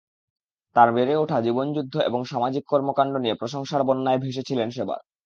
তাঁর বেড়ে ওঠা, জীবনযুদ্ধ এবং সামাজিক কর্মকাণ্ড নিয়ে প্রশংসার বন্যায় ভেসেছিলেন সেবার।